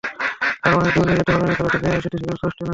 আরও অনেক দূর নিয়ে যেতে হবে খেলাটিকে, সেটি শুধু যুক্তরাষ্ট্রে নয়।